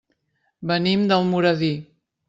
Venim d'Almoradí.